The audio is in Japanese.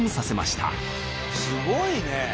すごいね。